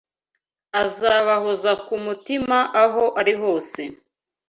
azabahoza ku mutima aho ari hose